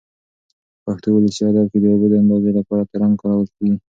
په پښتو ولسي ادب کې د اوبو د اندازې لپاره ترنګ کارول کېږي.